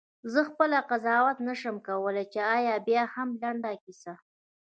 زه خپله قضاوت نه شم کولای چې آیا بیاهم لنډه کیسه.